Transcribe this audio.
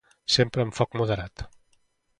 sempre amb foc moderat